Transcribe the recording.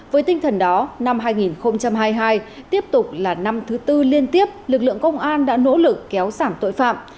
với tinh thần đó năm hai nghìn hai mươi hai tiếp tục là năm thứ tư liên tiếp lực lượng công an đã nỗ lực kéo giảm tội phạm